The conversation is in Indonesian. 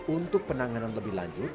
untuk penanganan lebih lanjut